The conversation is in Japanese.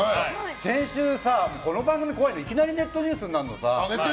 先週さ、この番組が怖いのはいきなりネットニュースになるの。